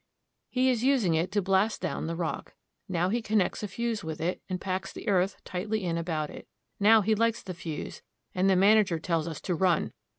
He is using it to blast down the rock. Now he connects a fuse with it, and packs the earth tightly in about it. Now he lights the fuse, and the manager tells us to run.